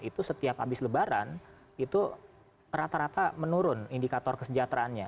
itu setiap habis lebaran itu rata rata menurun indikator kesejahteraannya